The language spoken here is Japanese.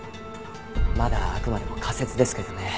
まだあくまでも仮説ですけどね。